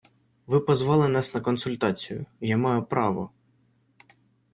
Ви позвали нас на консультацію, я маю право...